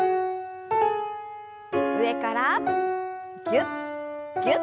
上からぎゅっぎゅっと。